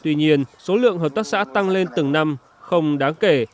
tuy nhiên số lượng hợp tác xã tăng lên từng năm không đáng kể